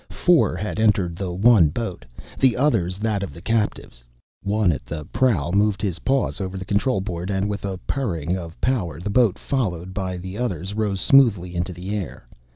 Four had entered the one boat, the others that of the captives. One at the prow moved his paws over the control board and with a purring of power the boat, followed by the other, rose smoothly into the air.